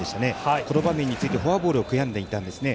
この場面についてフォアボールを悔やんでいたんですね。